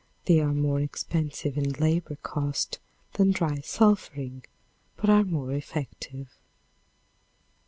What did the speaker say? They are more expensive in labor cost than dry sulphuring, but are more effective.